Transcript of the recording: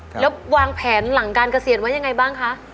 แล้ววางแผนหลังการเกษียณไว้ยังไงบ้างคะ